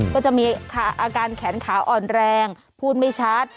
ก็จะมีอาการแขนขาอ่อนแรงพูดไม่ชัด